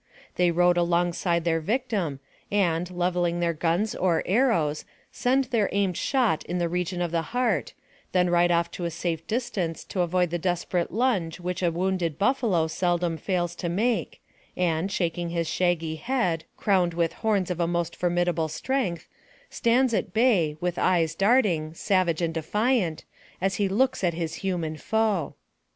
They ride alongside their victim, and, lev eling their guns or arrows, send their aimed shot in the region of the heart, then ride off to a safe dis tance, to avoid the desperate lunge which a wounded buffalo seldom fails to make, and, shaking his shaggy head, crowned with horns of most formjdable strength, stands at bay, with eyes darting, savage and defiant, 76 NARRATIVE OF CAPTIVITY as he looks at his human foe.